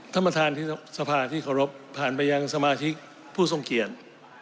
ท่านประธานที่สภาที่เคารพผ่านไปยังสมาชิกผู้ทรงเกียจ